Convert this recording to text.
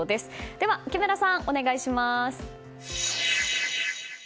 では木村さん、お願いします。